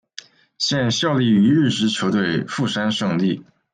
现效力于日职球队富山胜利。